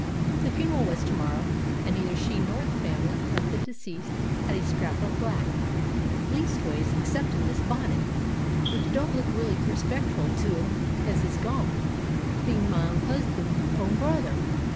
The funeral was to morrow, and neither she nor the family of the deceased had a scrap of black, "leastways, exceptin' this bonnet, which don't look really respeckful to 'im as is gone, being me own husband's own brother."